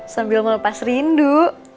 sambil melepas rindu